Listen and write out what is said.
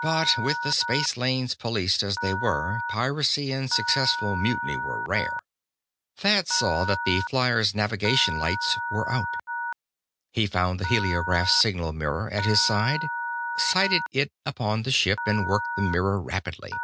But with the space lanes policed as they were, piracy and successful mutiny were rare. Thad saw that the flier's navigation lights were out. He found the heliograph signal mirror at his side, sighted it upon the ship, and worked the mirror rapidly.